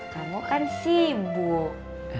kamu kan sibuk